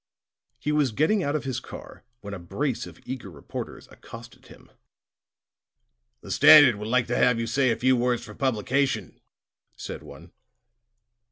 He was getting out of his car when a brace of eager reporters accosted him. "The Standard would like to have you say a few words for publication," said one.